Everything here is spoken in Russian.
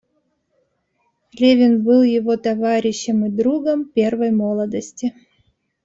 Левин был его товарищем и другом первой молодости.